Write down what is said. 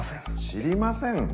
「知りません」？